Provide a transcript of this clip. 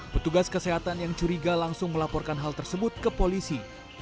petugas kesehatan yang curiga langsung melaporkan hal tersebut ke polisi